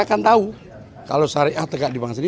kalau syariah tegak di bangsa ini